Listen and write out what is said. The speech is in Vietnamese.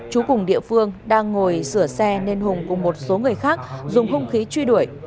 chú cùng địa phương đang ngồi sửa xe nên hùng cùng một số người khác dùng hung khí truy đuổi